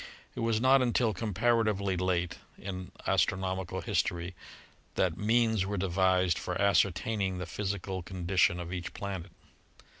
It was not until comparatively late in astronomical history that means were devised for ascertaining the physical con dition of each planet.